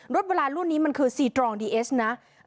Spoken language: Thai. รถโบราณรุ่นนี้มันคือ๔ตรดีเอสนะ